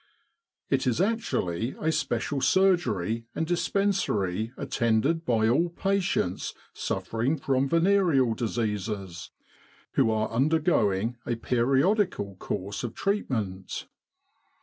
It is actually a special surgery and dispensary attended by all patients suffering from venereal diseases, who are undergoing a periodical course of treatment.